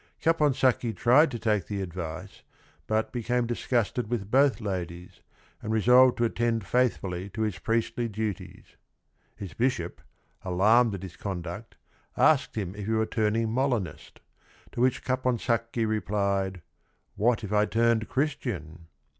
Capon sacchi tried to take the advice but became dis gusted with both ladies, and resolved to attend faithfully to his priestly duties. His bishop, alarmed at his conduct, asked him if he were turning Molinist, to which Caponsacchi replied, "what if I turned Christian?"